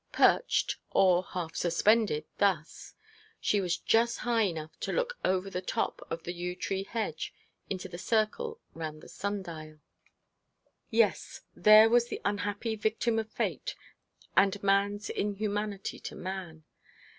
Perched, or half suspended, thus, she was just high enough to look over the top of the yew tree hedge into the circle round the sundial. Yes, there was the unhappy victim of fate, and man's inhumanity to man.